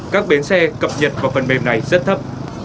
các bến xe cập nhật vào phần mềm này rất thấp